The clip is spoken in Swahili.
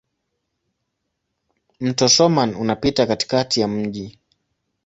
Mto Soummam unapita katikati ya mji.